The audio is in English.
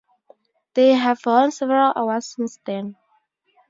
They have won several awards since then.